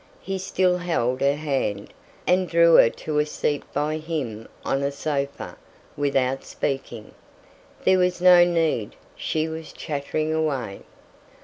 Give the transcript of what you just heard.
He still held her hand, and drew her to a seat by him on a sofa, without speaking. There was no need; she was chattering away.